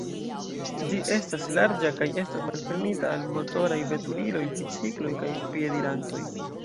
Ĝi estas larĝa kaj estas malfermita al motoraj veturiloj, bicikloj kaj piedirantoj.